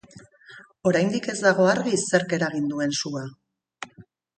Oraindik ez dago argi zerk eragin duen sua.